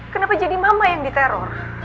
kenapa jadi mama yang diteror